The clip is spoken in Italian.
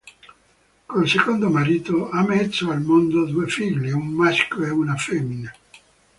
Col secondo marito ha messo al mondo due figli: un maschio e una femmina.